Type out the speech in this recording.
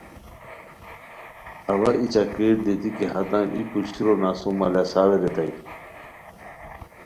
اوا ای چکر دیتی کی ہاتام ای پوشورو نسو مہ لاساوے ریتائے